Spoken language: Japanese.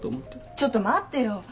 ちょっと待ってよ。